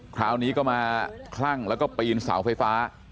คราวนี้ก็มาคลั่งแล้วก็ปีนเสาไฟฟ้า